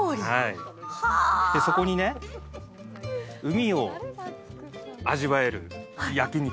そこにね、海を味わえる焼き肉。